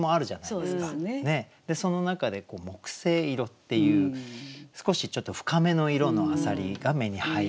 でその中で木星色っていう少しちょっと深めの色の浅蜊が目に入ったと。